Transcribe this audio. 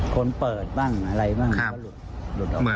คนเปิดบ้างอะไรบ้างก็หลุดออกมา